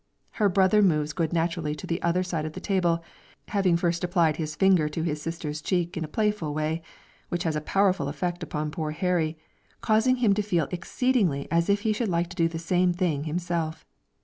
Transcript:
Her brother moves good naturedly to the other side of the table, having first applied his finger to his sister's cheek in a playful way, which has a powerful effect upon poor Harry, causing him to feel exceedingly as if he should like to do the same thing himself.